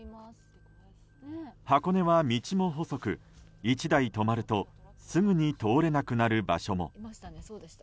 箱根は道も細く１台止まるとすぐに通れなくなる場所も。